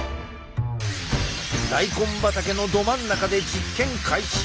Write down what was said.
大根畑のど真ん中で実験開始！